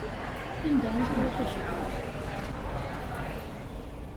Anda ay tent-tḥejbeḍ?